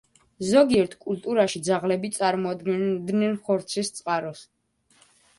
ზოგიერთ კულტურაში ძაღლები წარმოადგენენ ხორცის წყაროს.